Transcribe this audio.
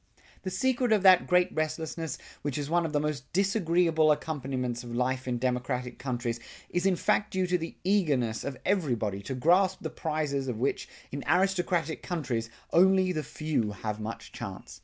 The secret of that great restlessness which is one of the most disagreeable accompaniments of life in democratic countries, is in fact due to the eagerness of everybody to grasp the prizes of which in aristocratic countries, only the few have much chance.